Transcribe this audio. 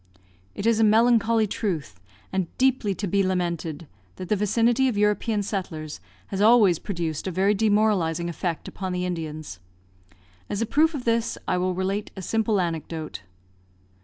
It is a melancholy truth, and deeply to be lamented, that the vicinity of European settlers has always produced a very demoralising effect upon the Indians. As a proof of this, I will relate a simple anecdote.